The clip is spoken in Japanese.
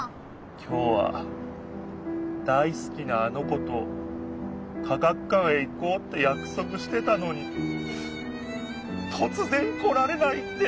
きょうは大すきなあの子と科学館へ行こうってやくそくしてたのにとつぜん来られないって。